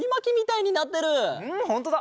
うんほんとだ！